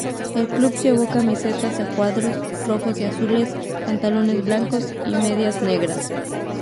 El club llevó camisetas a cuadros rojos y azules, pantalones blancos y medias negras.